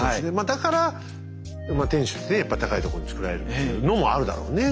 だから天守ってねやっぱ高いところに造られるのもあるだろうね。